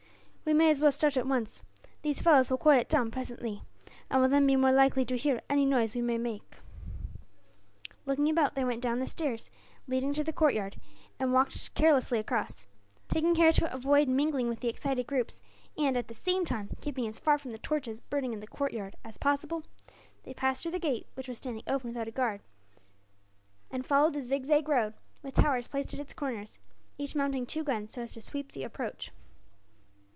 "We may as well start at once. These fellows will quieten down presently, and will then be more likely to hear any noise we may make." Looking about, they went down by the stairs leading to the courtyard and walked carelessly across. Taking care to avoid mingling with the excited groups and, at the same time, keeping as far from the torches burning in the courtyard as possible, they passed through the gate which was standing open without a guard and followed the zigzag road, with towers placed at its corners, each mounting two guns so as to sweep the approach.